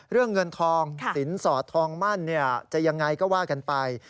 เรื่องเงินทองสินสอดทองมั่นจะยังไงก็ว่ากันไป